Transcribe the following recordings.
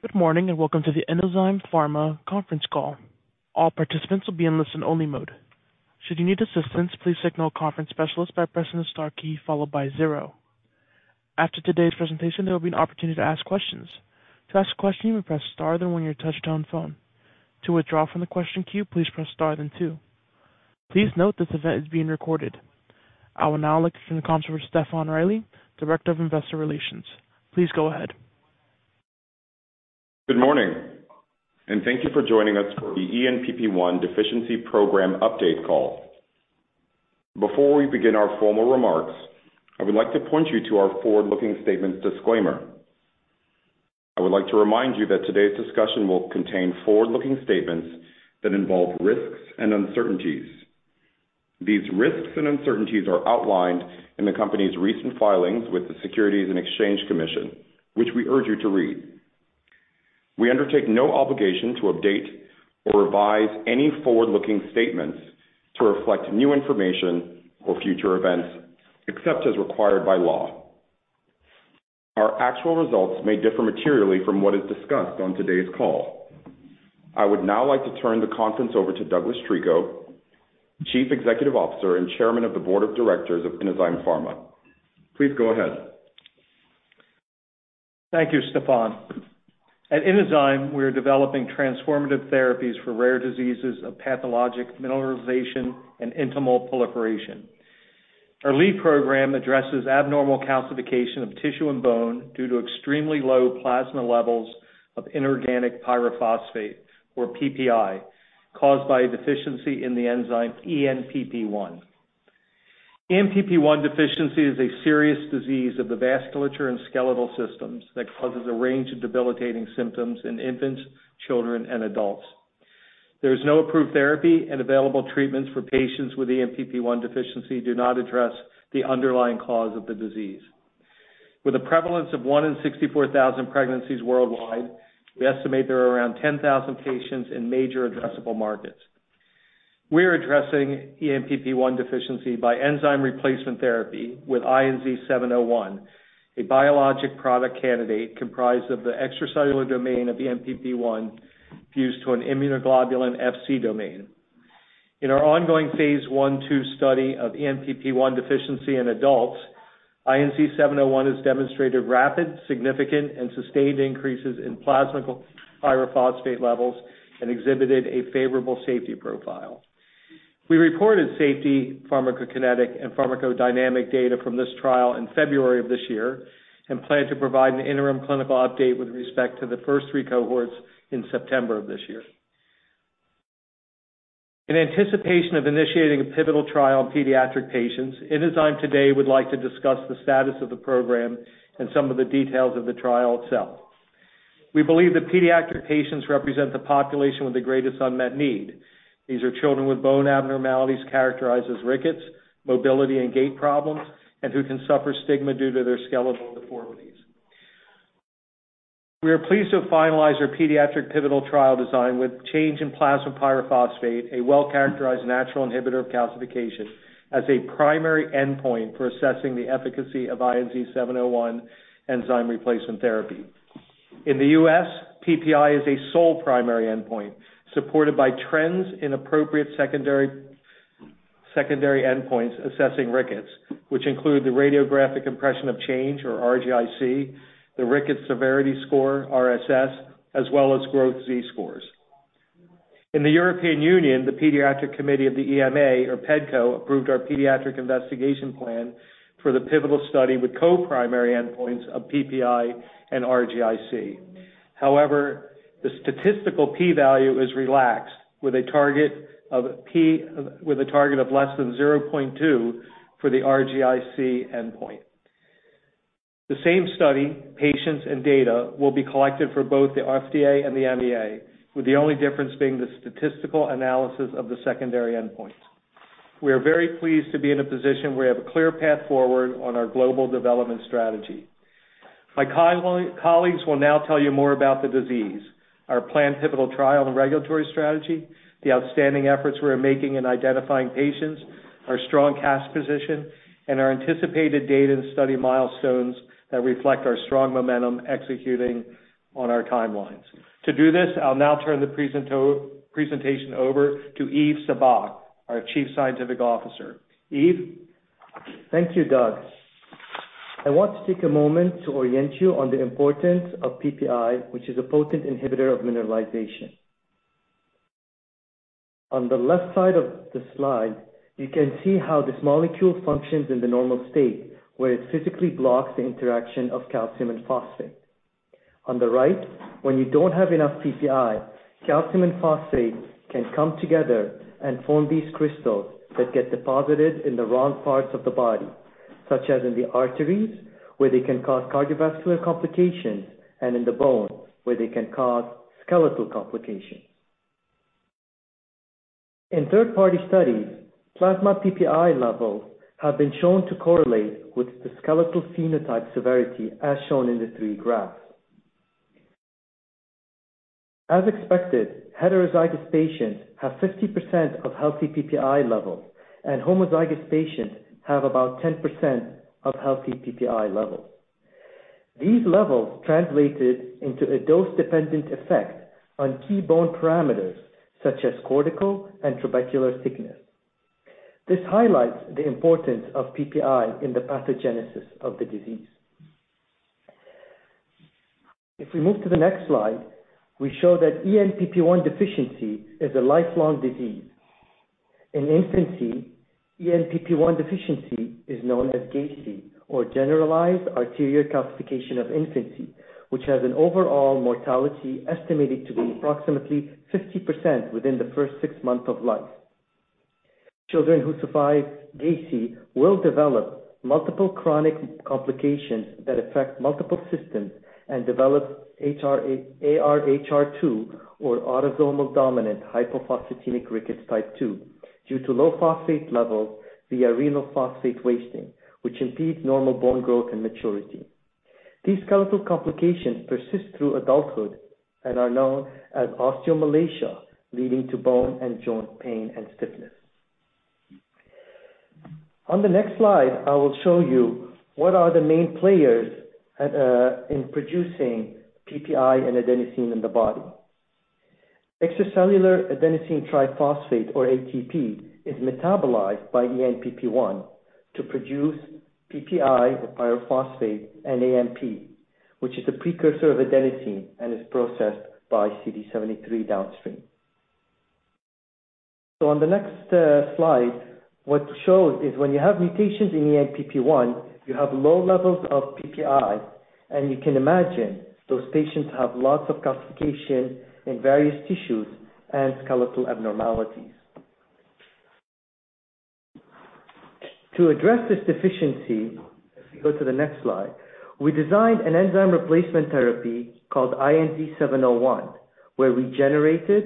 Good morning, and welcome to the Inozyme Pharma conference call. All participants will be in listen-only mode. Should you need assistance, please signal a conference specialist by pressing the star key followed by 0. After today's presentation, there will be an opportunity to ask questions. To ask a question, you may press star, then 1 your touchtone phone. To withdraw from the question queue, please press star, then 2. Please note this event is being recorded. I will now like to turn the conference over to Stefan Riley, Director of Investor Relations. Please go ahead. Good morning, and thank you for joining us for the ENPP1 Deficiency Program update call. Before we begin our formal remarks, I would like to point you to our forward-looking statements disclaimer. I would like to remind you that today's discussion will contain forward-looking statements that involve risks and uncertainties. These risks and uncertainties are outlined in the company's recent filings with the Securities and Exchange Commission, which we urge you to read. We undertake no obligation to update or revise any forward-looking statements to reflect new information or future events, except as required by law. Our actual results may differ materially from what is discussed on today's call. I would now like to turn the conference over to Douglas Treco, Chief Executive Officer and Chairman of the Board of Directors of Inozyme Pharma. Please go ahead. Thank you, Stefan. At Inozyme, we are developing transformative therapies for rare diseases of pathologic mineralization and intimate proliferation. Our lead program addresses abnormal calcification of tissue and bone due to extremely low plasma levels of inorganic pyrophosphate, or PPI, caused by a deficiency in the enzyme ENPP1. ENPP1 deficiency is a serious disease of the vasculature and skeletal systems that causes a range of debilitating symptoms in infants, children, and adults. There is no approved therapy. Available treatments for patients with ENPP1 deficiency do not address the underlying cause of the disease. With a prevalence of 1 in 64,000 pregnancies worldwide, we estimate there are around 10,000 patients in major addressable markets. We are addressing ENPP1 deficiency by enzyme replacement therapy with INZ-701, a biologic product candidate comprised of the extracellular domain of ENPP1 fused to an immunoglobulin FC domain. In our ongoing phase 1/2 study of ENPP1 Deficiency in adults, INZ-701 has demonstrated rapid, significant, and sustained increases in plasmic pyrophosphate levels and exhibited a favorable safety profile. We reported safety, pharmacokinetic, and pharmacodynamic data from this trial in February of this year and plan to provide an interim clinical update with respect to the first three cohorts in September of this year. In anticipation of initiating a pivotal trial in pediatric patients, Inozyme today would like to discuss the status of the program and some of the details of the trial itself. We believe that pediatric patients represent the population with the greatest unmet need. These are children with bone abnormalities characterized as rickets, mobility and gait problems, and who can suffer stigma due to their skeletal deformities. We are pleased to have finalized our pediatric pivotal trial design with change in plasma pyrophosphate, a well-characterized natural inhibitor of calcification, as a primary endpoint for assessing the efficacy of INZ-701 enzyme replacement therapy. In the U.S., PPI is a sole primary endpoint, supported by trends in appropriate secondary endpoints assessing rickets, which include the radiographic impression of change or RGIC, the Rickets Severity Score, RSS, as well as growth Z-scores. In the European Union, the Pediatric Committee of the EMA, or PDCO, approved our pediatric investigation plan for the pivotal study with co-primary endpoints of PPI and RGIC. The statistical P value is relaxed with a target of less than 0.2 for the RGIC endpoint. The same study, patients and data, will be collected for both the FDA and the EMA, with the only difference being the statistical analysis of the secondary endpoints. We are very pleased to be in a position where we have a clear path forward on our global development strategy. My colleagues will now tell you more about the disease, our planned pivotal trial and regulatory strategy, the outstanding efforts we're making in identifying patients, our strong cash position, and our anticipated data and study milestones that reflect our strong momentum executing on our timelines. To do this, I'll now turn the presentation over to Yves Sabbagh, our Chief Scientific Officer. Yves? Thank you, Doug. I want to take a moment to orient you on the importance of PPI, which is a potent inhibitor of mineralization. On the left side of the slide, you can see how this molecule functions in the normal state, where it physically blocks the interaction of calcium and phosphate. On the right, when you don't have enough PPI, calcium and phosphate can come together and form these crystals that get deposited in the wrong parts of the body, such as in the arteries, where they can cause cardiovascular complications, and in the bones, where they can cause skeletal complications. In third-party studies, plasma PPI levels have been shown to correlate with the skeletal phenotype severity, as shown in the three gram. As expected, heterozygous patients have 50% of healthy PPI levels, and homozygous patients have about 10% of healthy PPI levels. These levels translated into a dose-dependent effect on key bone parameters such as cortical and trabecular thickness. This highlights the importance of PPI in the pathogenesis of the disease. We move to the next slide, we show that ENPP1 deficiency is a lifelong disease. In infancy, ENPP1 deficiency is known as GACI, or generalized arterial calcification of infancy, which has an overall mortality estimated to be approximately 50% within the first 6 months of life. Children who survive GACI will develop multiple chronic complications that affect multiple systems and develop ARHR2, or autosomal dominant hypophosphatemic rickets type two, due to low phosphate levels via renal phosphate wasting, which impedes normal bone growth and maturity. These skeletal complications persist through adulthood and are known as osteomalacia, leading to bone and joint pain and stiffness. On the next slide, I will show you what are the main players in producing PPI and adenosine in the body. Extracellular adenosine triphosphate, or ATP, is metabolized by ENPP1 to produce PPI or pyrophosphate and AMP, which is a precursor of adenosine and is processed by CD73 downstream. On the next slide, what's shown is when you have mutations in ENPP1, you have low levels of PPI, and you can imagine those patients have lots of calcification in various tissues and skeletal abnormalities. To address this deficiency, if you go to the next slide, we designed an enzyme replacement therapy called INZ-701, where we generated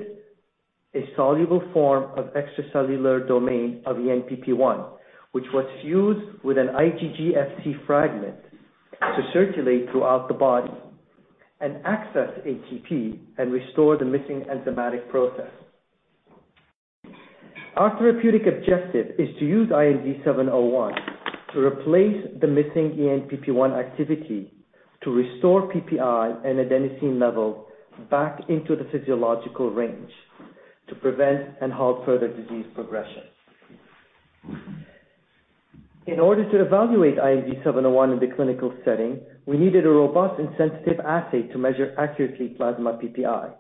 a soluble form of extracellular domain of ENPP1, which was fused with an IgG-Fc fragment to circulate throughout the body and access ATP and restore the missing enzymatic process. Our therapeutic objective is to use INZ-701 to replace the missing ENPP1 activity, to restore PPI and adenosine levels back into the physiological range to prevent and halt further disease progression. In order to evaluate INZ-701 in the clinical setting, we needed a robust and sensitive assay to measure accurately plasma PPI.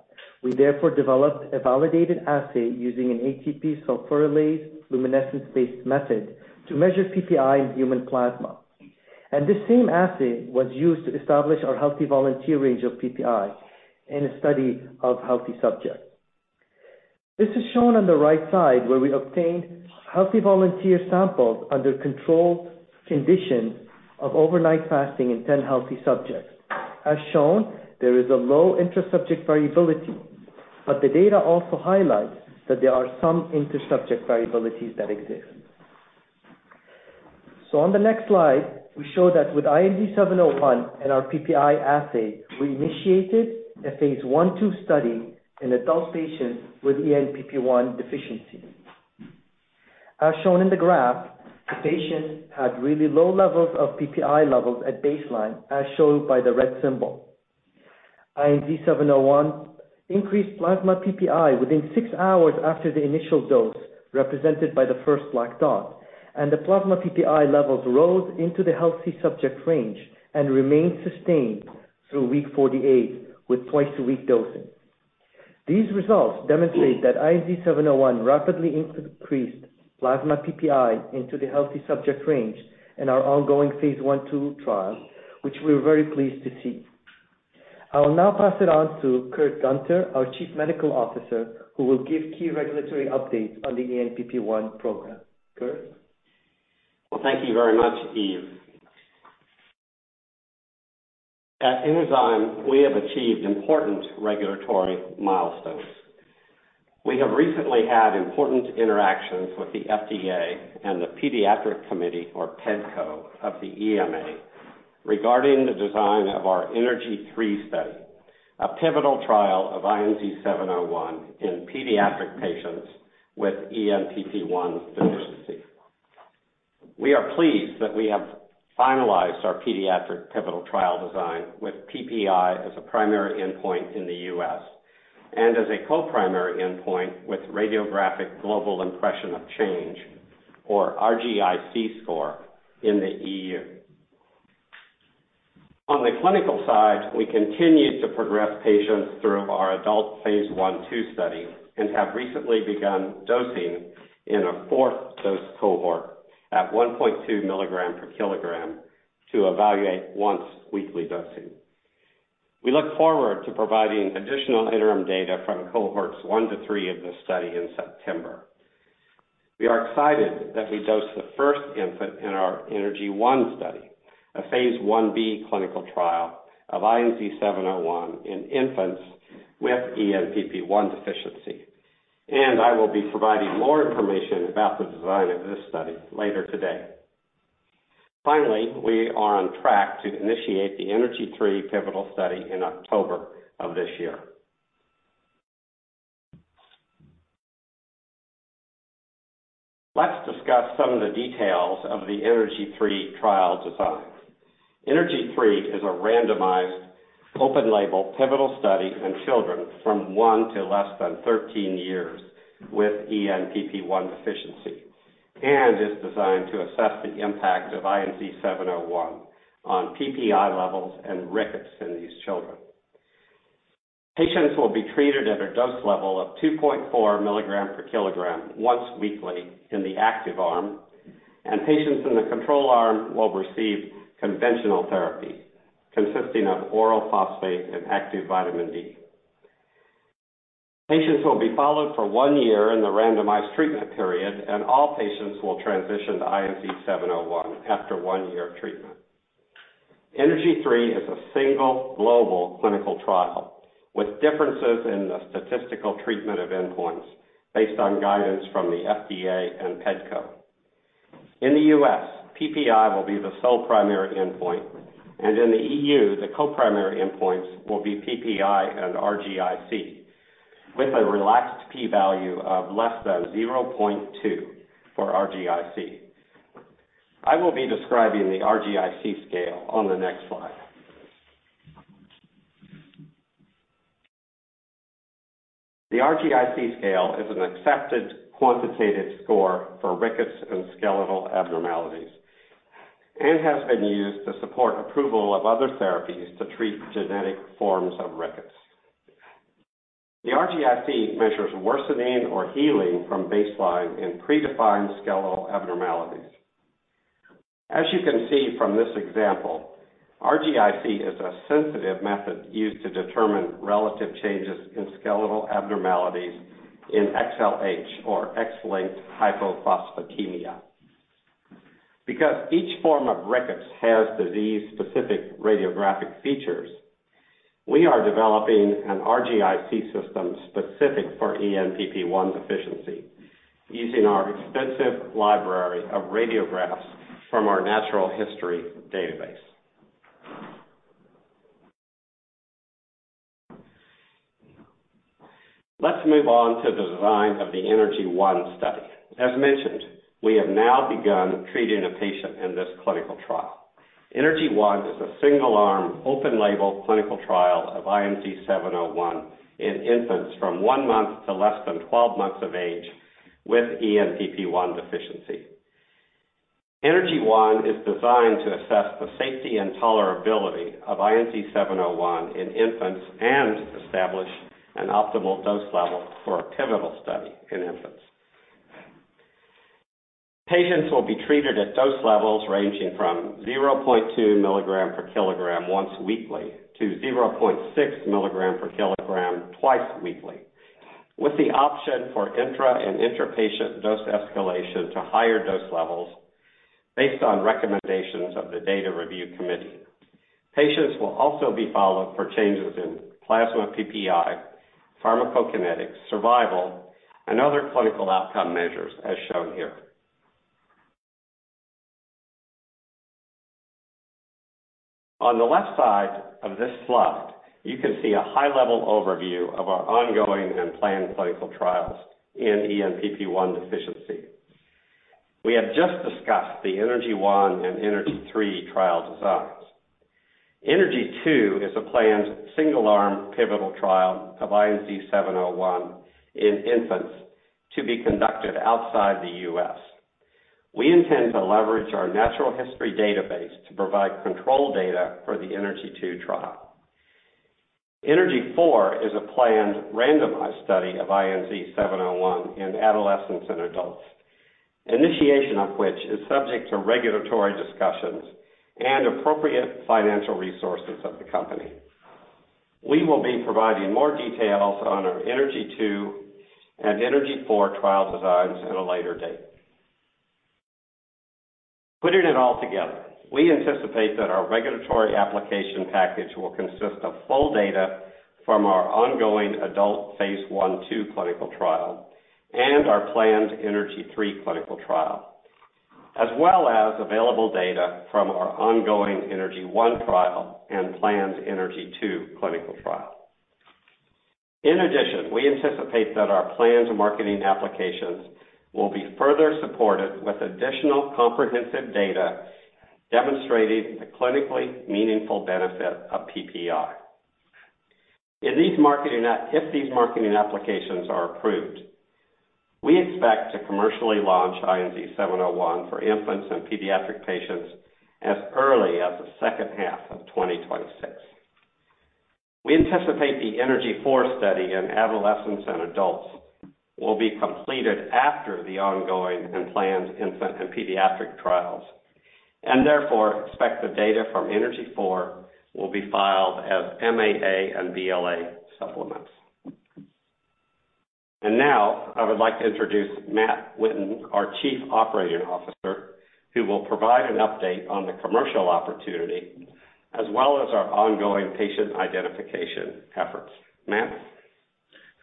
We therefore developed a validated assay using an ATP sulfurylase luminescence-based method to measure PPI in human plasma. This same assay was used to establish our healthy volunteer range of PPI in a study of healthy subjects. This is shown on the right side, where we obtained healthy volunteer samples under controlled conditions of overnight fasting in 10 healthy subjects. As shown, there is a low intersubject variability, but the data also highlights that there are some intersubject variabilities that exist. On the next slide, we show that with INZ-701 and our PPI assay, we initiated a phase 1/2 study in adult patients with ENPP1 deficiency. As shown in the graph, the patients had really low levels of PPI levels at baseline, as shown by the red symbol. INZ-701 increased plasma PPI within 6 hours after the initial dose, represented by the first black dot, and the plasma PPI levels rose into the healthy subject range and remained sustained through week 48, with twice-a-week dosing. These results demonstrate that INZ-701 rapidly increased plasma PPI into the healthy subject range in our ongoing phase 1/2 trial, which we're very pleased to see. I will now pass it on to Kurt Gunter, our Chief Medical Officer, who will give key regulatory updates on the ENPP1 program. Kurt? Thank you very much, Yves. At Inozyme, we have achieved important regulatory milestones. We have recently had important interactions with the FDA and the Pediatric Committee, or PDCO, of the EMA, regarding the design of our ENERGY-3 study, a pivotal trial of INZ-701 in pediatric patients with ENPP1 deficiency. We are pleased that we have finalized our pediatric pivotal trial design, with PPI as a primary endpoint in the U.S. and as a co-primary endpoint with radiographic global impression of change, or RGIC score, in the EU. On the clinical side, we continue to progress patients through our adult phase 1/2 study and have recently begun dosing in a fourth dose cohort at 1.2 milligrams per kilogram to evaluate once-weekly dosing. We look forward to providing additional interim data from cohorts 1 to 3 of this study in September. We are excited that we dosed the first infant in our ENERGY-1 study, a phase 1b clinical trial of INZ-701 in infants with ENPP1 Deficiency, and I will be providing more information about the design of this study later today. Finally, we are on track to initiate the ENERGY-3 pivotal study in October of this year. Let's discuss some of the details of the ENERGY-3 trial design. ENERGY-3 is a randomized, open-label, pivotal study in children from 1 to less than 13 years with ENPP1 Deficiency, and is designed to assess the impact of INZ-701 on PPI levels and rickets in these children. Patients will be treated at a dose level of 2.4 mg/kg once weekly in the active arm, and patients in the control arm will receive conventional therapy, consisting of oral phosphate and active vitamin D. Patients will be followed for 1 year in the randomized treatment period, and all patients will transition to INZ-701 after 1 year of ENERGY-3 is a single global clinical trial with differences in the statistical treatment of endpoints based on guidance from the FDA and PDCO. In the US, PPI will be the sole primary endpoint, and in the EU, the co-primary endpoints will be PPI and RGIC, with a relaxed P value of less than 0.2 for RGIC. I will be describing the RGIC scale on the next slide. The RGIC scale is an accepted quantitative score for rickets and skeletal abnormalities and has been used to support approval of other therapies to treat genetic forms of rickets. The RGIC measures worsening or healing from baseline in predefined skeletal abnormalities. As you can see from this example, RGIC is a sensitive method used to determine relative changes in skeletal abnormalities in XLH or X-linked hypophosphatemia. Because each form of rickets has disease-specific radiographic features, we are developing an RGIC system specific for ENPP1 deficiency, using our extensive library of radiographs from our natural history database. Let's move on to the design of ENERGY-1 study. As mentioned, we have now begun treating a patient in this clinical ENERGY-1 is a single-arm, open label clinical trial of INZ-701 in infants from 1 month to less than 12 months of age with ENPP1 ENERGY-1 is designed to assess the safety and tolerability of INZ-701 in infants and establish an optimal dose level for a pivotal study in infants. Patients will be treated at dose levels ranging from 0.2 milligrams per kilogram once weekly to 0.6 milligrams per kilogram twice weekly, with the option for intra and intrapatient dose escalation to higher dose levels based on recommendations of the Data Review Committee. Patients will also be followed for changes in plasma PPI, pharmacokinetics, survival, and other clinical outcome measures, as shown here. On the left side of this slide, you can see a high-level overview of our ongoing and planned clinical trials in ENPP1 deficiency. We have just discussed the ENERGY-1 and ENERGY-3 trial designs. ENERGY-2 is a planned single-arm pivotal trial of INZ-701 in infants to be conducted outside the U.S. We intend to leverage our natural history database to provide control data for the ENERGY-2 trial. ENERGY-004 is a planned randomized study of INZ-701 in adolescents and adults, initiation of which is subject to regulatory discussions and appropriate financial resources of the company. We will be providing more details on our ENERGY-002 and ENERGY-004 trial designs at a later date. Putting it all together, we anticipate that our regulatory application package will consist of full data from our ongoing adult phase I/II clinical trial and our planned ENERGY-003 clinical trial, as well as available data from our ongoing ENERGY-001 trial and planned ENERGY-002 clinical trial. In addition, we anticipate that our planned marketing applications will be further supported with additional comprehensive data demonstrating the clinically meaningful benefit of PPI. If these marketing applications are approved, we expect to commercially launch INZ-701 for infants and pediatric patients as early as the second half of 2026. We anticipate the ENERGY-004 study in adolescents and adults will be completed after the ongoing and planned infant and pediatric trials, and therefore, expect the data from ENERGY-004 will be filed as MAA and BLA supplements. Now, I would like to introduce Matt Winton, our Chief Operating Officer, who will provide an update on the commercial opportunity, as well as our ongoing patient identification efforts. Matt?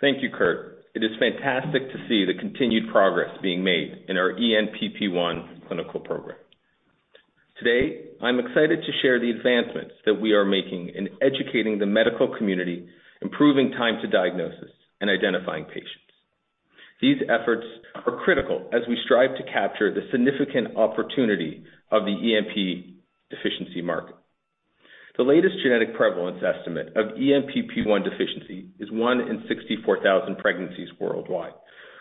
Thank you, Kurt. It is fantastic to see the continued progress being made in our ENPP1 clinical program. Today, I'm excited to share the advancements that we are making in educating the medical community, improving time to diagnosis, and identifying patients. These efforts are critical as we strive to capture the significant opportunity of the ENPP deficiency market. The latest genetic prevalence estimate of ENPP1 deficiency is 1 in 64,000 pregnancies worldwide,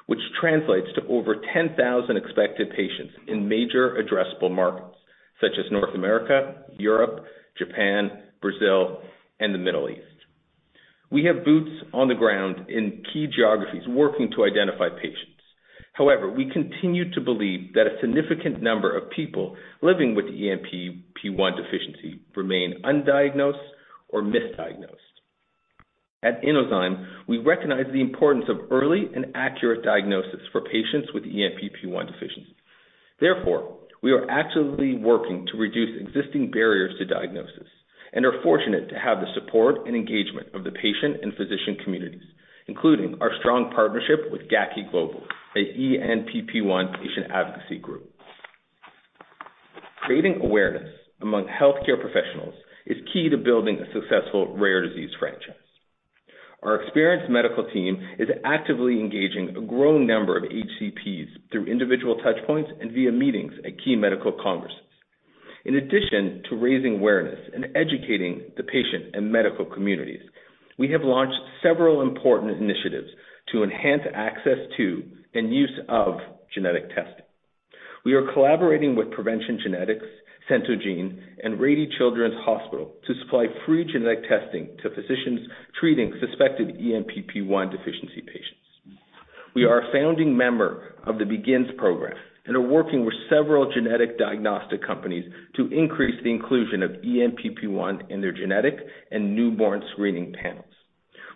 which translates to over 10,000 expected patients in major addressable markets such as North America, Europe, Japan, Brazil, and the Middle East. We have boots on the ground in key geographies working to identify patients. We continue to believe that a significant number of people living with ENPP1 deficiency remain undiagnosed or misdiagnosed. At Inozyme, we recognize the importance of early and accurate diagnosis for patients with ENPP1 deficiency. Therefore, we are actively working to reduce existing barriers to diagnosis and are fortunate to have the support and engagement of the patient and physician communities, including our strong partnership with GACI Global, a ENPP1 patient advocacy group. Creating awareness among healthcare professionals is key to building a successful rare disease franchise. Our experienced medical team is actively engaging a growing number of HCPs through individual touch points and via meetings at key medical congresses. In addition to raising awareness and educating the patient and medical communities, we have launched several important initiatives to enhance access to and use of genetic testing. We are collaborating with PreventionGenetics, Centogene, and Rady Children's Hospital to supply free genetic testing to physicians treating suspected ENPP1 deficiency patients. We are a founding member of the BeginNGS program and are working with several genetic diagnostic companies to increase the inclusion of ENPP1 in their genetic and newborn screening panels.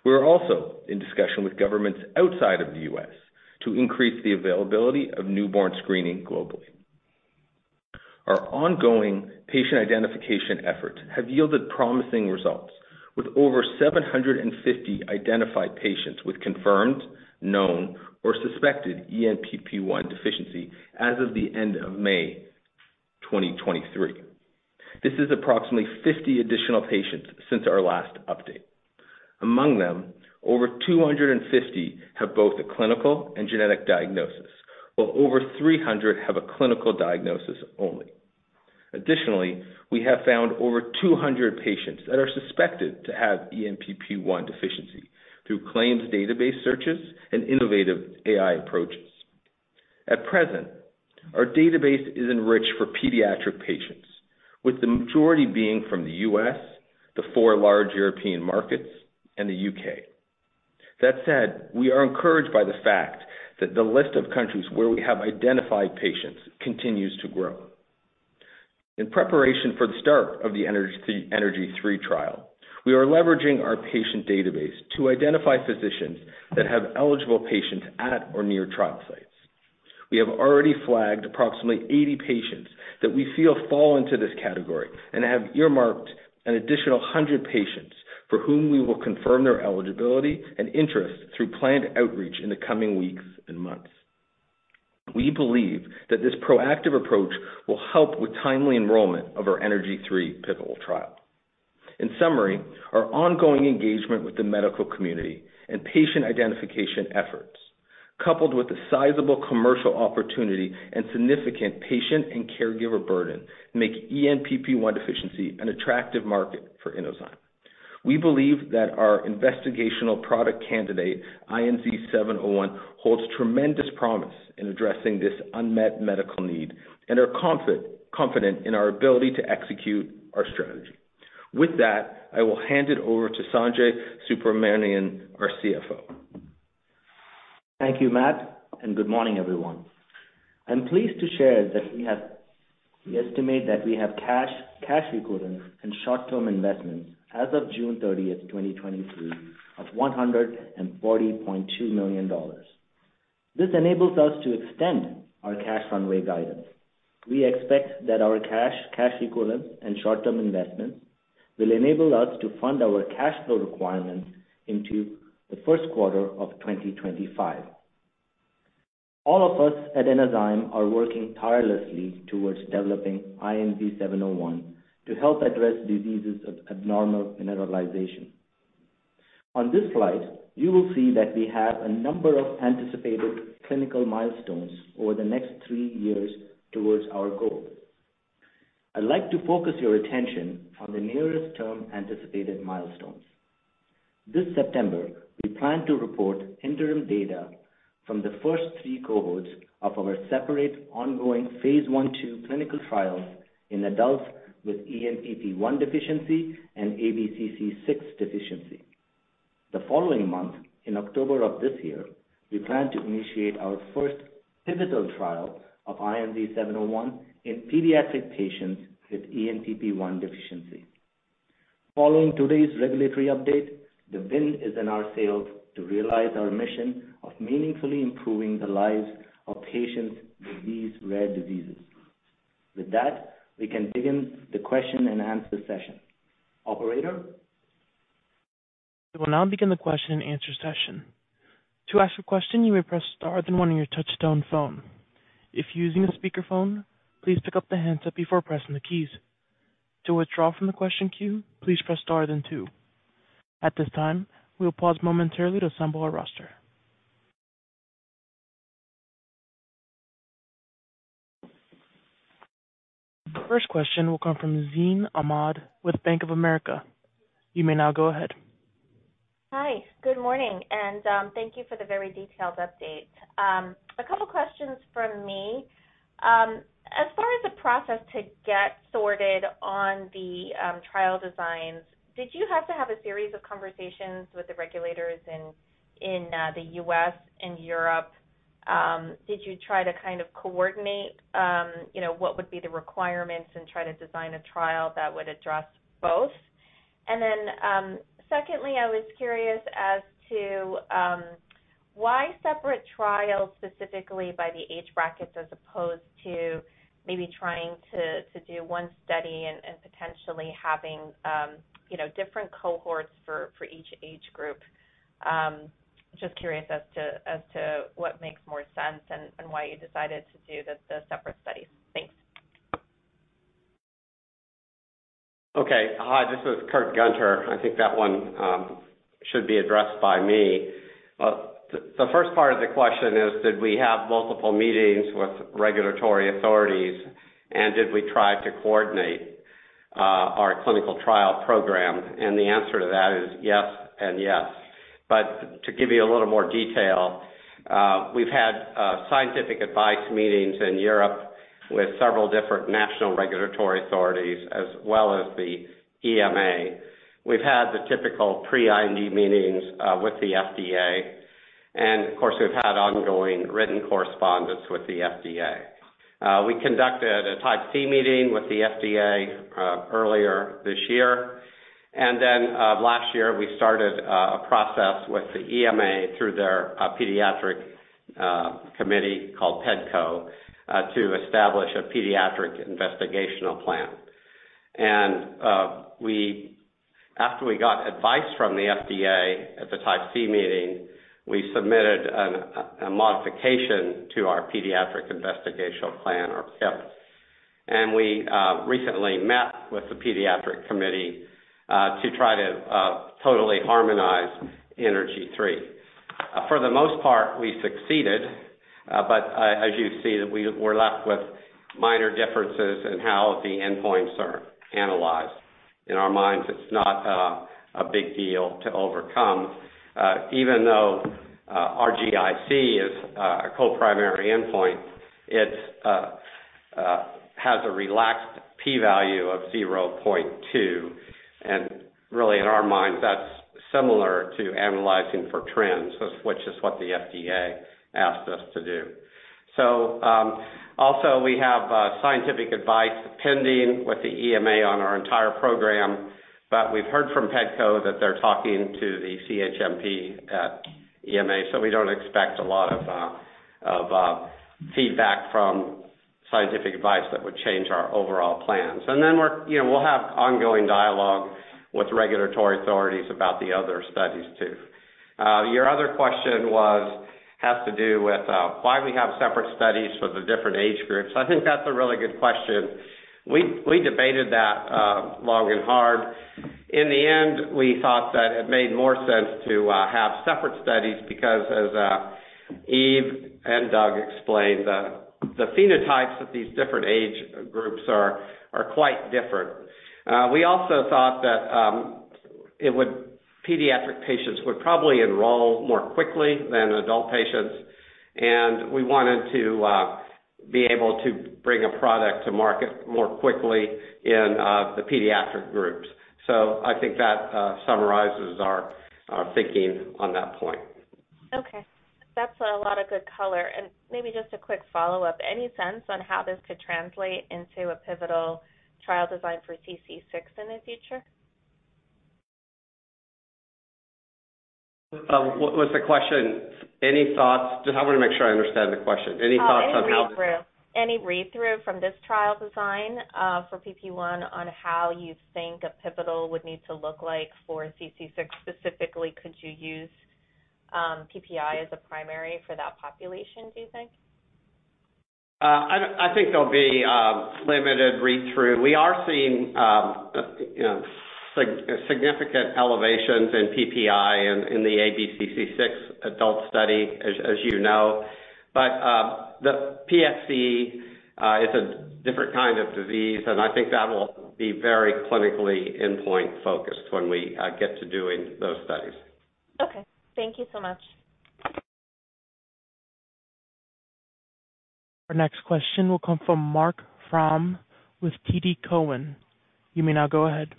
We are also in discussion with governments outside of the U.S. to increase the availability of newborn screening globally. Our ongoing patient identification efforts have yielded promising results, with over 750 identified patients with confirmed, known, or suspected ENPP1 deficiency as of the end of May 2023. This is approximately 50 additional patients since our last update. Among them, over 250 have both a clinical and genetic diagnosis, while over 300 have a clinical diagnosis only. Additionally, we have found over 200 patients that are suspected to have ENPP1 deficiency through claims database searches and innovative AI approaches. At present, our database is enriched for pediatric patients, with the majority being from the US, the four large European markets, and the UK. We are encouraged by the fact that the list of countries where we have identified patients continues to grow. In preparation for the start of the ENERGY-3 trial, we are leveraging our patient database to identify physicians that have eligible patients at or near trial sites. We have already flagged approximately 80 patients that we feel fall into this category and have earmarked an additional 100 patients for whom we will confirm their eligibility and interest through planned outreach in the coming weeks and months. We believe that this proactive approach will help with timely enrollment of ENERGY-3 pivotal trial. In summary, our ongoing engagement with the medical community and patient identification efforts, coupled with the sizable commercial opportunity and significant patient and caregiver burden, make ENPP1 deficiency an attractive market for Inozyme. We believe that our investigational product candidate, INZ-701, holds tremendous promise in addressing this unmet medical need and are confident in our ability to execute our strategy. With that, I will hand it over to Sanjay Subramanian, our CFO. Thank you, Matt, and good morning, everyone. I'm pleased to share that we estimate that we have cash equivalents, and short-term investments as of June 30, 2023, of $140.2 million. This enables us to extend our cash runway guidance. We expect that our cash equivalents, and short-term investments will enable us to fund our cash flow requirements into the first quarter of 2025. All of us at Inozyme are working tirelessly towards developing INZ-701 to help address diseases of abnormal mineralization. On this slide, you will see that we have a number of anticipated clinical milestones over the next 3 years towards our goal. I'd like to focus your attention on the nearest term anticipated milestones. This September, we plan to report interim data from the first 3 cohorts of our separate ongoing phase 1/2 clinical trials in adults with ENPP1 deficiency and ABCC6 deficiency. The following month, in October of this year, we plan to initiate our first pivotal trial of INZ-701 in pediatric patients with ENPP1 deficiency. Following today's regulatory update, the wind is in our sails to realize our mission of meaningfully improving the lives of patients with these rare diseases. With that, we can begin the question and answer session. Operator? We will now begin the question and answer session. To ask a question, you may press star, then 1 on your touch-tone phone. If you're using a speakerphone, please pick up the handset before pressing the keys. To withdraw from the question queue, please press star then 2. At this time, we will pause momentarily to assemble our roster. The first question will come from Tazeen Ahmad with Bank of America. You may now go ahead. Hi, good morning, and thank you for the very detailed update. A couple questions from me. As far as the process to get sorted on the trial designs, did you have to have a series of conversations with the regulators in the US and Europe? Did you try to kind of coordinate, you know, what would be the requirements and try to design a trial that would address both? Secondly, I was curious as to why separate trials, specifically by the age brackets, as opposed to maybe trying to do one study and potentially having, you know, different cohorts for each age group? Just curious as to what makes more sense and why you decided to do the separate studies. Thanks. Okay. Hi, this is Kurt Gunter. I think that one should be addressed by me. The first part of the question is, did we have multiple meetings with regulatory authorities, and did we try to coordinate our clinical trial program? The answer to that is yes and yes. To give you a little more detail, we've had scientific advice meetings in Europe with several different national regulatory authorities, as well as the EMA. We've had the typical pre-IND meetings with the FDA, and of course, we've had ongoing written correspondence with the FDA. We conducted a Type C meeting with the FDA earlier this year. Last year, we started a process with the EMA through their pediatric committee called PDCO to establish a pediatric investigational plan. After we got advice from the FDA at the Type C meeting, we submitted a modification to our pediatric investigational plan or PIP. We recently met with the Paediatric Committee to try to totally harmonize ENERGY-3. The most part, we succeeded, but as you see, we were left with minor differences in how the endpoints are analyzed. In our minds, it's not a big deal to overcome. Even though RGIC is a co-primary endpoint, it has a relaxed p-value of 0.2, and really, in our minds, that's similar to analyzing for trends, which is what the FDA asked us to do. Also, we have scientific advice pending with the EMA on our entire program, but we've heard from PDCO that they're talking to the CHMP at EMA, so we don't expect a lot of feedback from scientific advice that would change our overall plans. We're, you know, we'll have ongoing dialogue with regulatory authorities about the other studies, too. Your other question was has to do with why we have separate studies for the different age groups. I think that's a really good question. We debated that long and hard. In the end, we thought that it made more sense to have separate studies because as Yves and Doug explained, the phenotypes of these different age groups are quite different. We also thought that it would... pediatric patients would probably enroll more quickly than adult patients, and we wanted to be able to bring a product to market more quickly in the pediatric groups. I think that summarizes our thinking on that point. Okay. That's a lot of good color. Maybe just a quick follow-up: Any sense on how this could translate into a pivotal trial design for CC6 in the future? What was the question? Any thoughts? Just I want to make sure I understand the question. Any read-through. Any read-through from this trial design, for PP1, on how you think a pivotal would need to look like for CC6? Specifically, could you use, PPI as a primary for that population, do you think? I think there'll be limited read-through. We are seeing significant elevations in PPI in the ABCC6 adult study, as you know. The PFC is a different kind of disease, and I think that will be very clinically endpoint focused when we get to doing those studies. Okay. Thank you so much. Our next question will come from Marc Frahm with TD Cowen. You may now go ahead.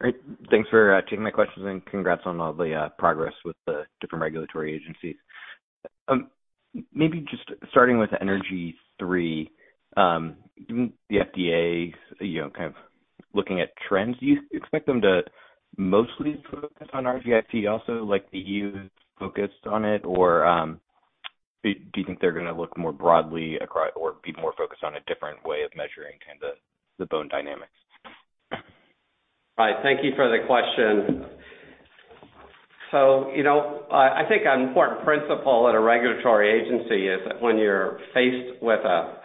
Great. Thanks for taking my questions, and congrats on all the progress with the different regulatory agencies. Maybe just starting with ENERGY-3, the FDA, you know, kind of looking at trends, do you expect them to mostly focus on RGIC also, like the youth focused on it? Or, do you think they're gonna look more broadly across or be more focused on a different way of measuring kind of the bone dynamics? Right. Thank you for the question. You know, I think an important principle at a regulatory agency is that when you're faced with a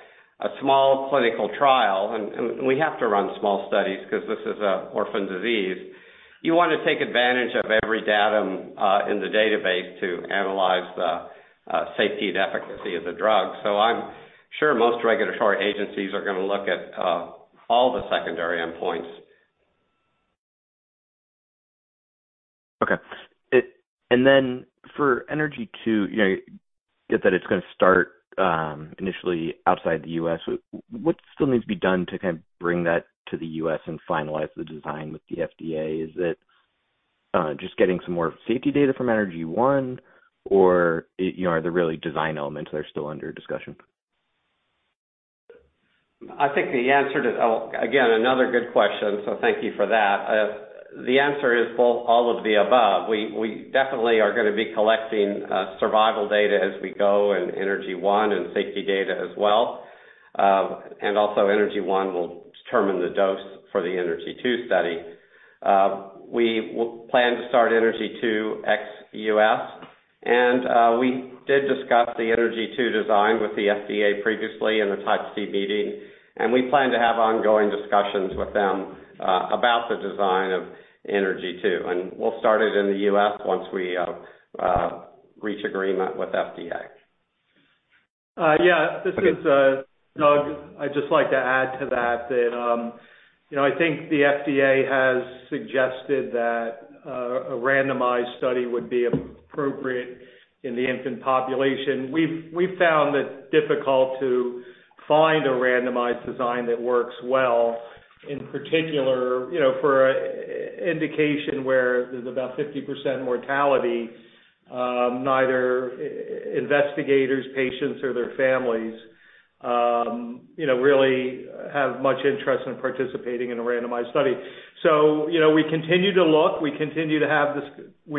small clinical trial, and we have to run small studies because this is a orphan disease, you want to take advantage of every datum in the database to analyze the safety and efficacy of the drug. I'm sure most regulatory agencies are gonna look at all the secondary endpoints. Okay. Then ENERGY-2, you know, get that it's gonna start initially outside the U.S. What still needs to be done to kind of bring that to the U.S. and finalize the design with the FDA? Is it just getting some more safety data ENERGY-1, or, you know, are there really design elements that are still under discussion? I think the answer to, again, another good question. Thank you for that. The answer is both, all of the above. We definitely are gonna be collecting survival data as we go ENERGY-1 and safety data as well. ENERGY-1 will determine the dose for ENERGY-2 study. We will plan to start ENERGY-2 ex-U.S. We did discuss ENERGY-2 design with the FDA previously in the Type C meeting. We plan to have ongoing discussions with them about the design of ENERGY-2. We'll start it in the U.S. once we reach agreement with FDA. Yeah, this is Doug. I'd just like to add to that, you know, I think the FDA has suggested that a randomized study would be appropriate in the infant population. We've found it difficult to find a randomized design that works well. In particular, you know, for a indication where there's about 50% mortality, neither investigators, patients, or their families, you know, really have much interest in participating in a randomized study. So you know, we continue to look, we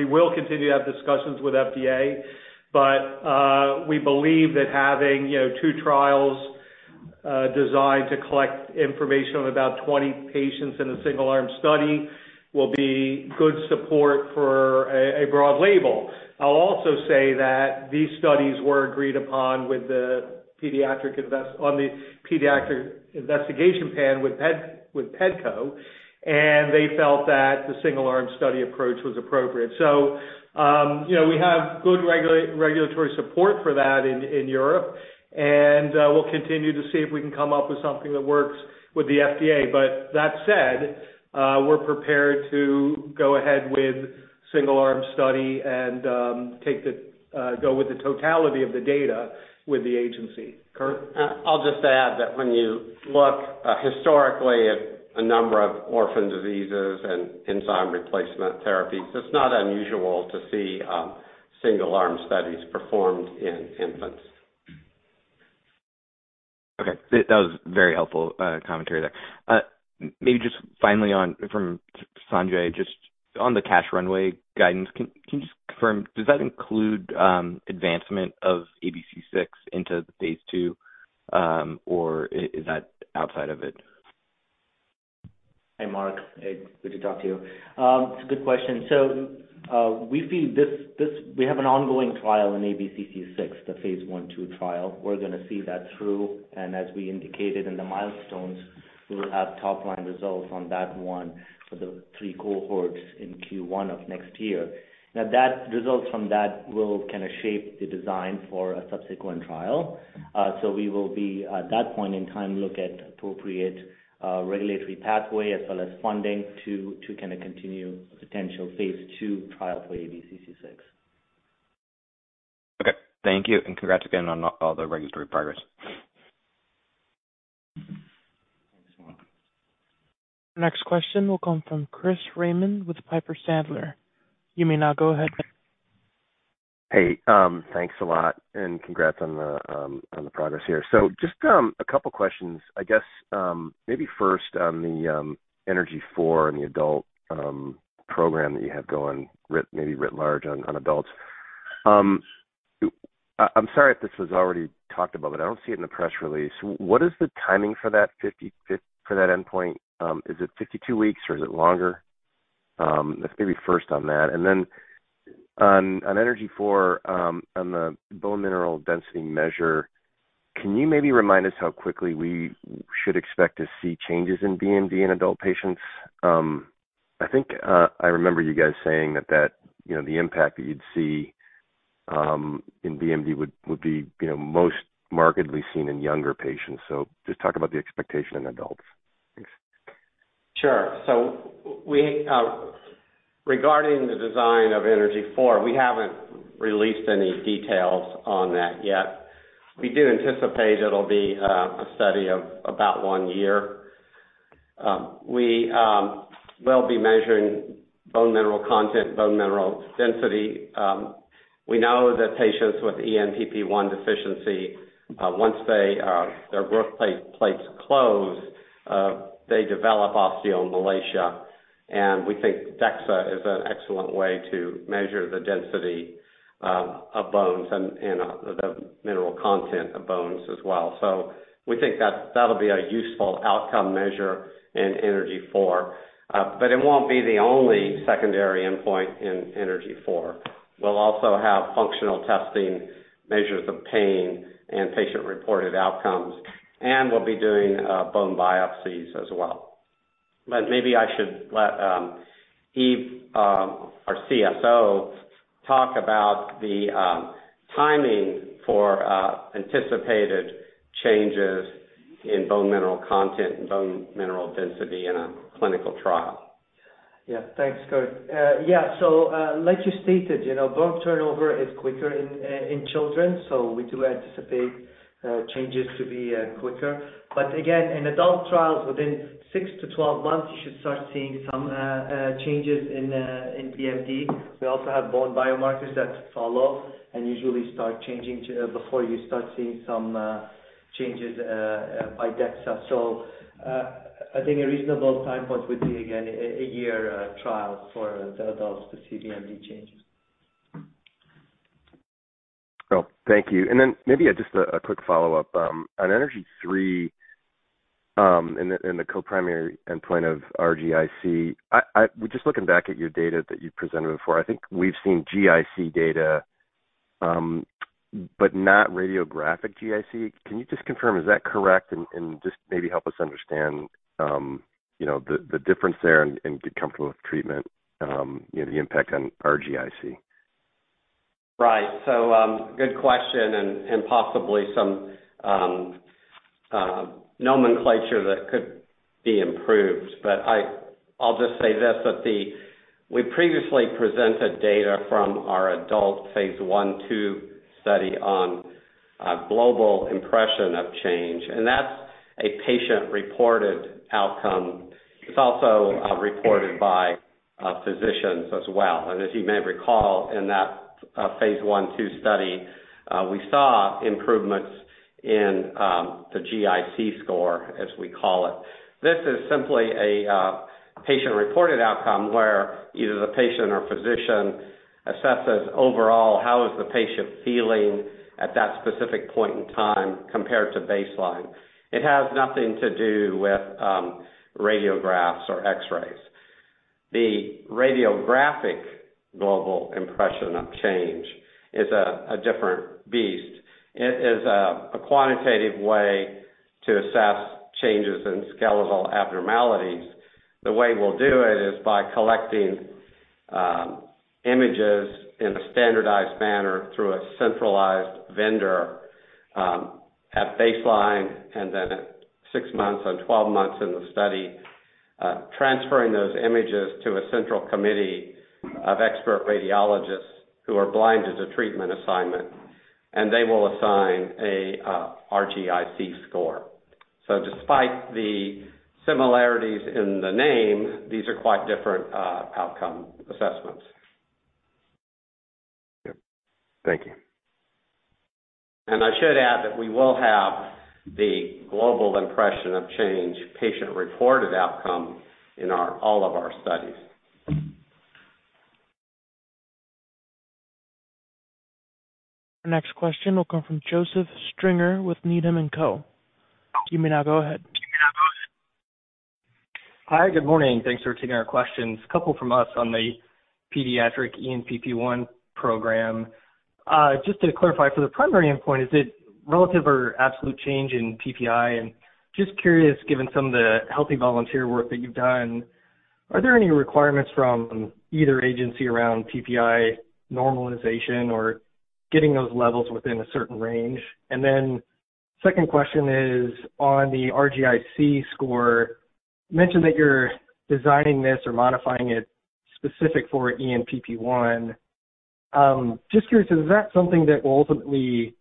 will continue to have discussions with FDA, but we believe that having, 2 trials, designed to collect information without 20 patients in a single-arm study will be good support for a broad label. I'll also say that these studies were agreed upon with PDCO, and they felt that the single-arm study approach was appropriate. You know, we have good regulatory support for that in Europe, and we'll continue to see if we can come up with something that works with the FDA. But that said, we're prepared to go ahead with single-arm study and take the go with the totality of the data with the agency. Kurt? I'll just add that when you look, historically at a number of orphan diseases and enzyme replacement therapies, it's not unusual to see, single-arm studies performed in infants. Okay, that was very helpful commentary there. Maybe just finally on from Sanjay, just on the cash runway guidance, can you just confirm, does that include advancement of ABCC6 into the phase 2, or is that outside of it? Hey, Marc, hey, good to talk to you. It's a good question. So we see this, we have an ongoing trial in ABCC6, the phase 1/2 trial. We're gonna see that through, and as we indicated in the milestones, we will have top-line results on that one for the 3 cohorts in Q1 of next year. Results from that will kind of shape the design for a subsequent trial. So we will be, at that point in time, look at appropriate regulatory pathway as well as funding to kind of continue potential phase 2 trial for ABCC6. Okay, thank you. Congrats again on all the regulatory progress. Next question will come from Chris Raymond with Piper Sandler. You may now go ahead. Hey, thanks a lot, and congrats on the progress here. Just a couple questions. I guess, maybe first on the ENERGY-4 and the adult program that you have going writ, maybe writ large on adults. I'm sorry if this was already talked about, but I don't see it in the press release. What is the timing for that fifty- fif- for that endpoint? Is it 52 weeks or is it longer? Maybe first on that. Then on ENERGY-4, on the bone mineral density measure, can you maybe remind us how quickly we should expect to see changes in BMD in adult patients? I think, I remember you guys saying that, you know, the impact that you'd see, in BMD would be, you know, most markedly seen in younger patients. Just talk about the expectation in adults. Thanks. Sure. We, regarding the design ENERGY-4, we haven't released any details on that yet. We do anticipate it'll be a study of about one year. We will be measuring bone mineral content, bone mineral density. We know that patients with ENPP1 Deficiency, once they, their growth plates close, they develop osteomalacia, and we think DEXA is an excellent way to measure the density of bones and the mineral content of bones as well. We think that'll be a useful outcome measure in ENERGY-4. It won't be the only secondary endpoint ENERGY-4. we'll also have functional testing, measures of pain, and patient-reported outcomes, and we'll be doing bone biopsies as well. Maybe I should let Yves, our CSO, talk about the timing for anticipated changes in bone mineral content and bone mineral density in a clinical trial. Thanks, Kurt. Like you stated, you know, bone turnover is quicker in children, so we do anticipate changes to be quicker. Again, in adult trials, within 6-12 months, you should start seeing some changes in BMD. We also have bone biomarkers that follow and usually start changing before you start seeing some changes by DEXA. I think a reasonable time point would be, again, a 1 year trial for the adults to see BMD changes. Oh, thank you. Maybe just a quick follow-up. On ENERGY-3, in the co-primary endpoint of RGIC, just looking back at your data that you presented before, I think we've seen GIC data, but not radiographic GIC. Can you just confirm, is that correct? Just maybe help us understand, you know, the difference there and get comfortable with treatment, you know, the impact on RGIC. Right. Good question, and possibly some nomenclature that could be improved. I'll just say this, that we previously presented data from our adult phase I/II study on global impression of change, and that's a patient-reported outcome. It's also reported by physicians as well. As you may recall, in that phase I/II study, we saw improvements in the GIC score, as we call it. This is simply a patient-reported outcome, where either the patient or physician assesses overall, how is the patient feeling at that specific point in time compared to baseline. It has nothing to do with radiographs or X-rays. The radiographic global impression of change is a different beast. It is a quantitative way to assess changes in skeletal abnormalities. The way we'll do it is by collecting, images in a standardized manner through a centralized vendor, at baseline, and then at 6 months and 12 months in the study. Transferring those images to a central committee of expert radiologists who are blind as a treatment assignment, and they will assign a RGIC score. Despite the similarities in the name, these are quite different, outcome assessments. Yep. Thank you. I should add that we will have the global impression of change patient-reported outcome in all of our studies. Our next question will come from Joseph Stringer with Needham and Co. You may now go ahead. Hi, good morning. Thanks for taking our questions. A couple from us on the pediatric ENPP1 program. Just to clarify, for the primary endpoint, is it relative or absolute change in PPI? Just curious, given some of the healthy volunteer work that you've done, are there any requirements from either agency around PPI normalization or getting those levels within a certain range? Second question is, on the RGIC score, you mentioned that you're designing this or modifying it specific for ENPP1. Just curious, is that something that will ultimately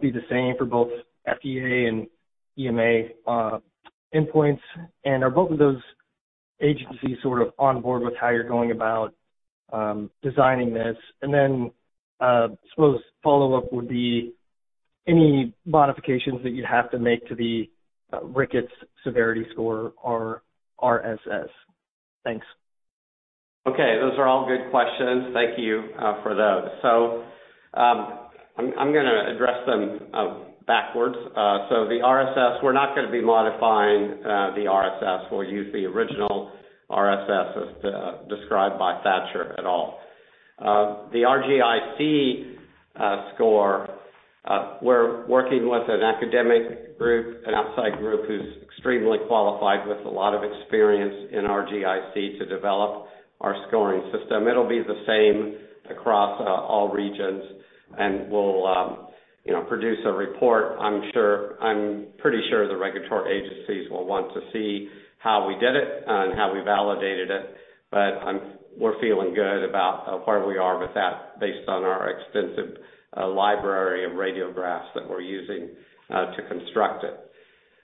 be the same for both FDA and EMA endpoints? Are both of those agencies sort of on board with how you're going about designing this? I suppose follow-up would be any modifications that you'd have to make to the Rickets Severity Score or RSS? Thanks. Okay, those are all good questions. Thank you for those. I'm gonna address them backwards. The RSS, we're not gonna be modifying the RSS. We'll use the original RSS as described by Thatcher et al. The RGIC score, we're working with an academic group, an outside group who's extremely qualified with a lot of experience in RGIC, to develop our scoring system. It'll be the same across all regions, and we'll, you know, produce a report. I'm pretty sure the regulatory agencies will want to see how we did it and how we validated it, but we're feeling good about where we are with that, based on our extensive library of radiographs that we're using to construct it.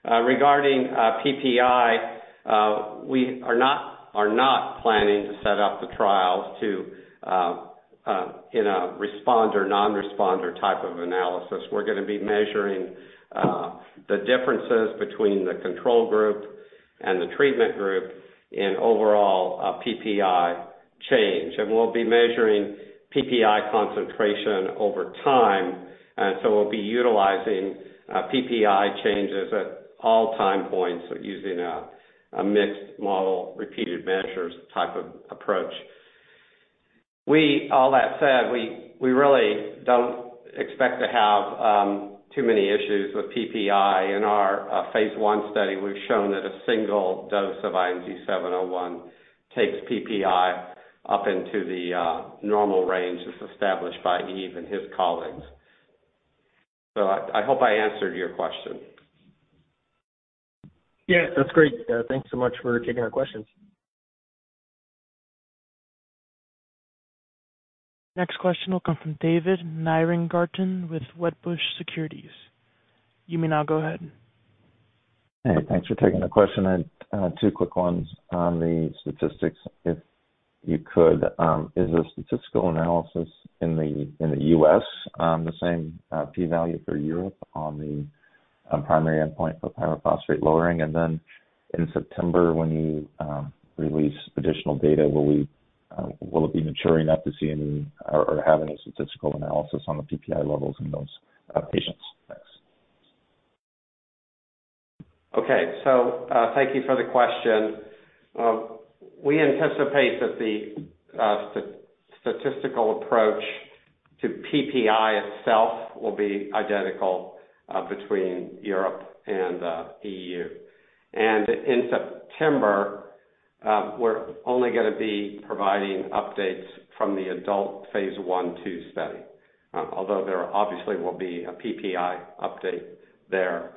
Regarding PPI, we are not planning to set up the trials to in a responder, non-responder type of analysis. We're gonna be measuring the differences between the control group and the treatment group in overall PPI change. We'll be measuring PPI concentration over time, and so we'll be utilizing PPI changes at all time points, using a mixed model, repeated measures type of approach. All that said, we really don't expect to have too many issues with PPI. In our phase one study, we've shown that a single dose of INZ-701 takes PPI up into the normal range that's established by Eve and his colleagues. I hope I answered your question. Yes, that's great. Thanks so much for taking our questions. Next question will come from David Nierengarten with Wedbush Securities. You may now go ahead. Hey, thanks for taking the question, and two quick ones on the statistics, if you could. Is the statistical analysis in the U.S. the same p-value for Europe on the primary endpoint for pyrophosphate lowering? Then in September, when you release additional data, will we, will it be maturing enough to see any or have any statistical analysis on the PPI levels in those patients? Thanks. Okay. Thank you for the question. We anticipate that the statistical approach to PPI itself will be identical between Europe and the EU. In September, we're only gonna be providing updates from the adult phase I/II study, although there obviously will be a PPI update there.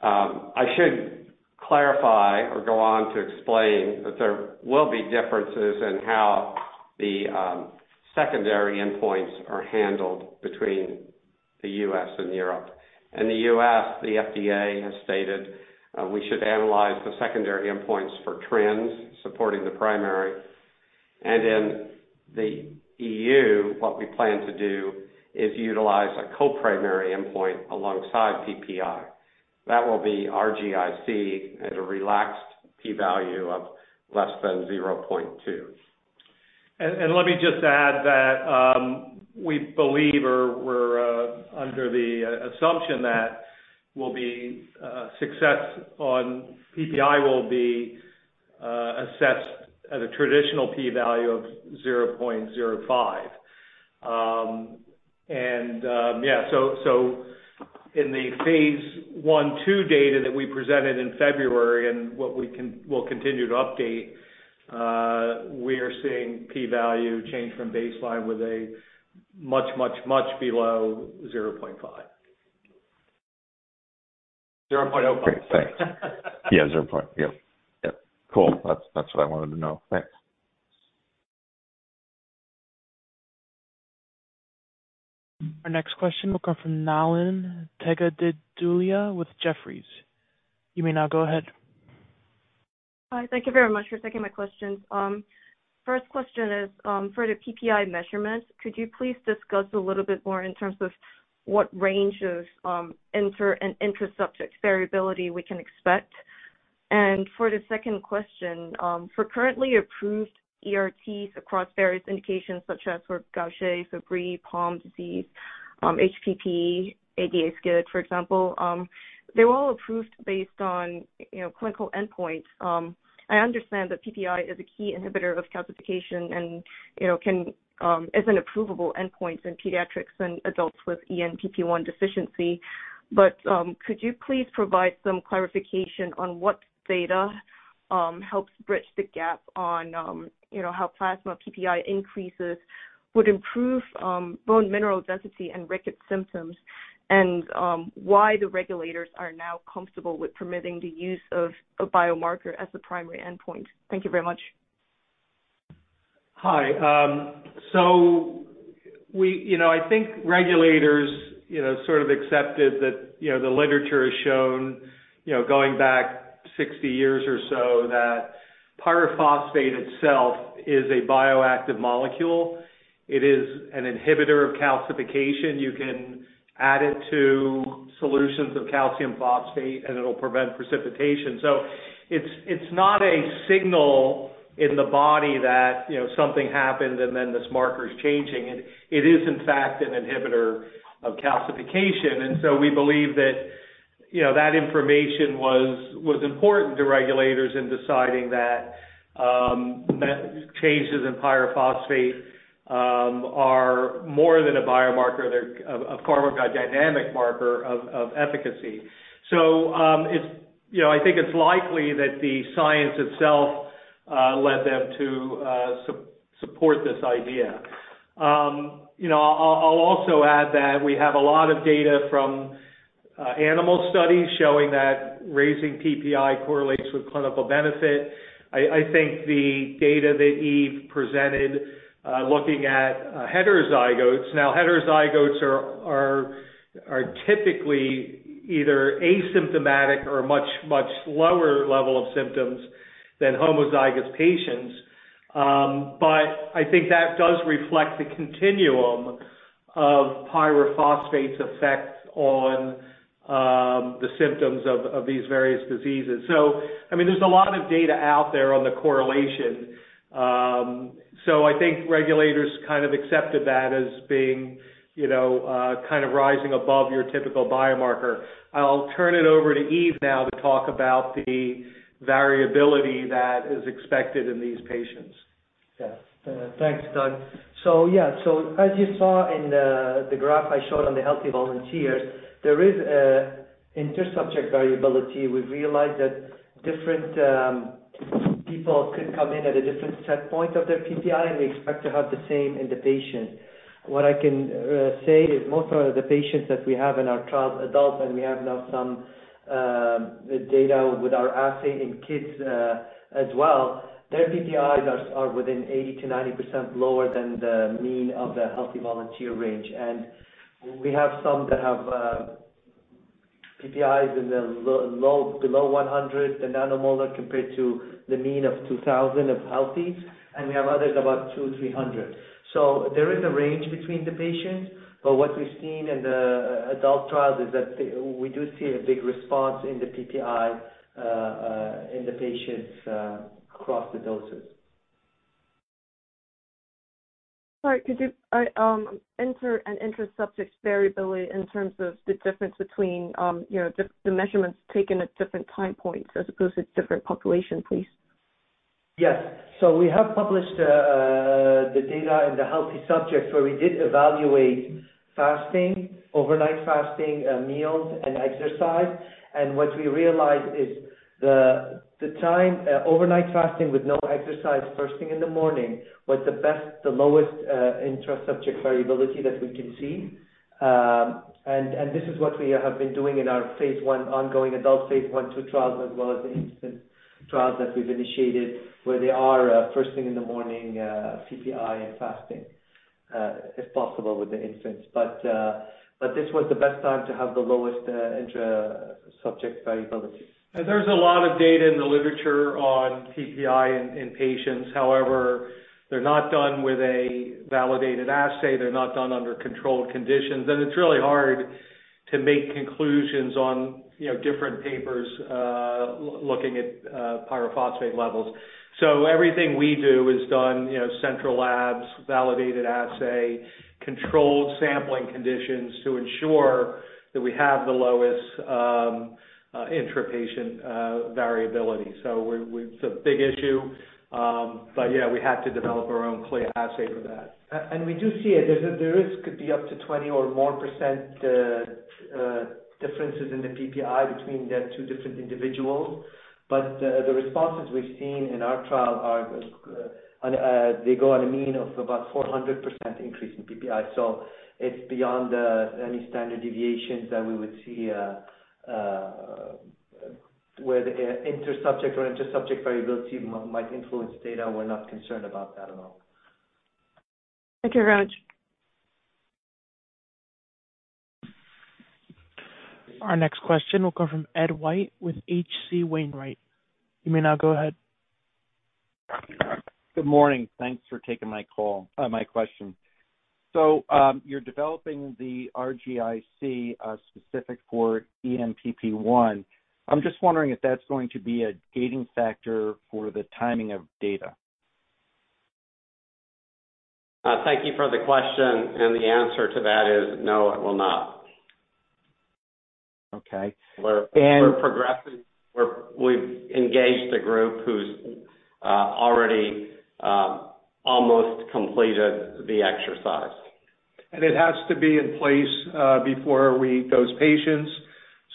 I should clarify or go on to explain that there will be differences in how the secondary endpoints are handled between the US and Europe. In US, the FDA has stated, we should analyze the secondary endpoints for trends supporting the primary. In the EU, what we plan to do is utilize a co-primary endpoint alongside PPI. That will be RGIC at a relaxed p-value of less than 0.2. Let me just add that we believe or we're under the assumption that we'll be success on PPI will be assessed at a traditional p-value of 0.05. So in the phase I/II data that we presented in February and what we'll continue to update, we are seeing p-value change from baseline with a much below 0.5. 0.05. Great, thanks. Yeah, 0. Yep, yep. Cool. That's what I wanted to know. Thanks. Our next question will come from Nalin Tejavibulya with Jefferies. You may now go ahead. Hi, thank you very much for taking my questions. First question is. For the PPI measurements, could you please discuss a little bit more in terms of what range of inter and intrasubject variability we can expect? For the second question, for currently approved ERTs across various indications, such as for Gaucher, Fabry, Pompe disease, HPP, ADA-SCID, for example, they're all approved based on, you know, clinical endpoints. I understand that PPI is a key inhibitor of calcification and, you know, can, as an approvable endpoint in pediatrics and adults with ENPP1 deficiency. Could you please provide some clarification on what data helps bridge the gap on, you know, how plasma PPI increases would improve bone mineral density and rickets symptoms, and why the regulators are now comfortable with permitting the use of a biomarker as a primary endpoint? Thank you very much. Hi. We... You know, I think regulators, you know, sort of accepted that, you know, the literature has shown, you know, going back 60 years or so, that pyrophosphate itself is a bioactive molecule. It is an inhibitor of calcification. You can add it to solutions of calcium phosphate, and it'll prevent precipitation. It's not a signal in the body that, you know, something happened and then this marker is changing. It is, in fact, an inhibitor of calcification. We believe that, you know, that information was important to regulators in deciding that changes in pyrophosphate are more than a biomarker. That have cover, a dynamic marker of efficacy. So, I think it's likely that the science itself led them support this idea. You know, I'll also add that we have a lot of data from animal studies showing that raising PPI correlates with clinical benefit. I think the data that Yves presented, looking at heterozygotes. Now, heterozygotes are typically either asymptomatic or much lower level of symptoms than homozygous patients. I think that does reflect the continuum of pyrophosphate's effects on the symptoms of these various diseases. I mean, there's a lot of data out there on the correlation. I think regulators kind of accepted that as being, you know, kind of rising above your typical biomarker. I'll turn it over to Yves now to talk about the variability that is expected in these patients. Yeah. Thanks, Doug. As you saw in the graph I showed on the healthy volunteers, there is a inter-subject variability. We've realized that different people could come in at a different set point of their PPI, and we expect to have the same in the patient. What I can say is, most of the patients that we have in our trial adults, and we have now some data with our assay in kids as well. Their PPIs are within 80%-90% lower than the mean of the healthy volunteer range. We have some that have PPIs in the low, below 100, the nanomolar, compared to the mean of 2,000 of healthy, and we have others about 200-300. There is a range between the patients, but what we've seen in the adult trials is that we do see a big response in the PPI, in the patients, across the doses. Sorry, could you enter an intra-subject variability in terms of the difference between, you know, the measurements taken at different time points as opposed to different population, please? We have published the data in the healthy subjects, where we did evaluate fasting, overnight fasting, meals, and exercise. What we realized is the time, overnight fasting with no exercise, first thing in the morning, was the best, the lowest intra-subject variability that we can see. This is what we have been doing in our phase 1, ongoing adult Phase I/II trials, as well as the infant trials that we've initiated, where they are first thing in the morning, PPI and fasting, if possible with the infants. This was the best time to have the lowest intra-subject variability. There's a lot of data in the literature on PPI in patients. However, they're not done with a validated assay. They're not done under controlled conditions, It's really hard to make conclusions on, you know, different papers, looking at pyrophosphate levels. Everything we do is done, you know, central labs, validated assay, controlled sampling conditions, to ensure that we have the lowest intrapatient variability. It's a big issue. But yeah, we had to develop our own clear assay for that. We do see it. There's, there is could be up to 20% or more differences in the PPI between the two different individuals. The responses we've seen in our trial are, they go on a mean of about 400% increase in PPI. It's beyond any standard deviations that we would see, where the inter-subject or intra-subject variability might influence data. We're not concerned about that at all. Thank you very much. Our next question will come from Ed White with H.C. Wainwright. You may now go ahead. Good morning. Thanks for taking my call, my question. You're developing the RGIC specific for ENPP1. I'm just wondering if that's going to be a gating factor for the timing of data? Thank you for the question, and the answer to that is no, it will not. Okay. And- We're progressing. We've engaged a group who's already almost completed the exercise. It has to be in place, before we dose patients.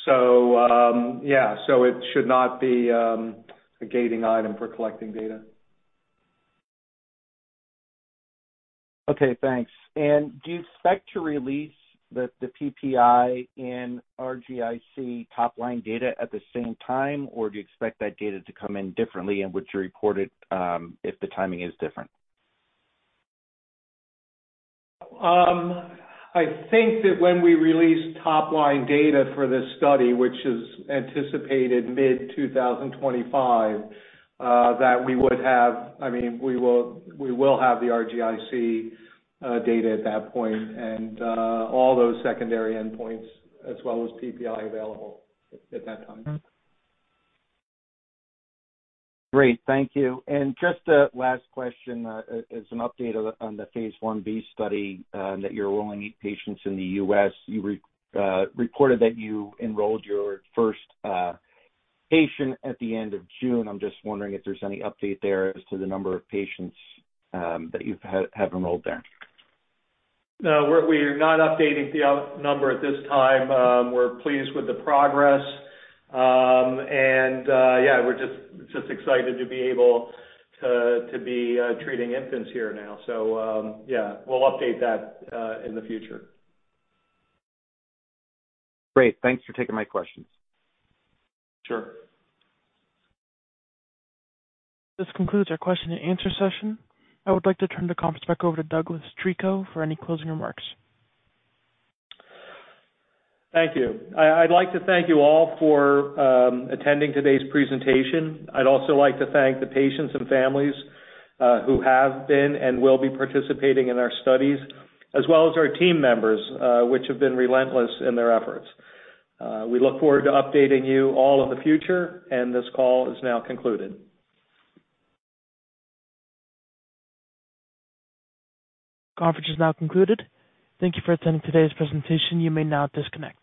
Yeah, so it should not be, a gating item for collecting data. Okay, thanks. Do you expect to release the PPI and RGIC top-line data at the same time, or do you expect that data to come in differently, and would you report it if the timing is different? I think that when we release top-line data for this study, which is anticipated mid-2025, that we will have the RGIC data at that point and all those secondary endpoints, as well as PPI available at that time. Great, thank you. Just a last question. As an update on the Phase 1b study that you're enrolling patients in the U.S., you reported that you enrolled your first patient at the end of June. I'm just wondering if there's any update there as to the number of patients that you have enrolled there? We are not updating the number at this time. We're pleased with the progress. Yeah, we're just excited to be able to be treating infants here now. Yeah, we'll update that in the future. Great. Thanks for taking my questions. Sure. This concludes our question and answer session. I would like to turn the conference back over to Douglas Treco for any closing remarks. Thank you. I'd like to thank you all for attending today's presentation. I'd also like to thank the patients and families who have been and will be participating in our studies, as well as our team members, which have been relentless in their efforts. We look forward to updating you all in the future. This call is now concluded. Conference is now concluded. Thank You for attending today's presentation. You may now disconnect.